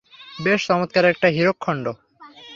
বেশ চমৎকার একটা হীরকখন্ড!